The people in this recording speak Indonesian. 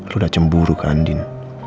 lu udah cemburu kandin